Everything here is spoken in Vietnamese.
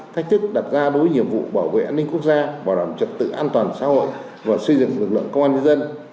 thách thức đặt ra đối với nhiệm vụ bảo vệ an ninh quốc gia bảo đảm trật tự an toàn xã hội và xây dựng lực lượng công an nhân dân